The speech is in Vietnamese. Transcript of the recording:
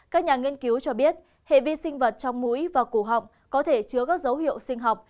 các nhà nghiên cứu cho biết hệ vi sinh vật trong mũi và cổ họng có thể chứa các dấu hiệu sinh học